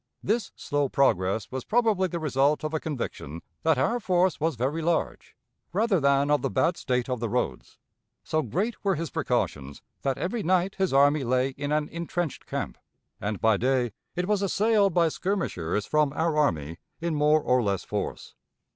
This slow progress was probably the result of a conviction that our force was very large, rather than of the bad state of the roads. So great were his precautions, that every night his army lay in an intrenched camp, and by day it was assailed by skirmishers from our army in more or less force.